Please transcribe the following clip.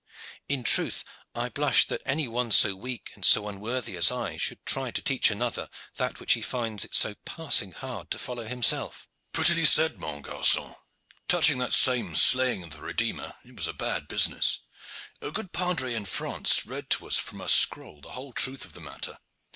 "In truth I blush that any one so weak and so unworthy as I should try to teach another that which he finds it so passing hard to follow himself." "Prettily said, mon garcon. Touching that same slaying of the Redeemer, it was a bad business. A good padre in France read to us from a scroll the whole truth of the matter.